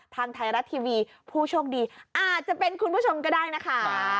ทางไทยรัฐทีวีผู้โชคดีอาจจะเป็นคุณผู้ชมก็ได้นะคะ